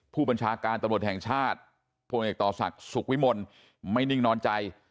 ผู้บัญชาการตำรวจแห่งชาติพลเอกต่อศักดิ์สุขวิมลไม่นิ่งนอนใจ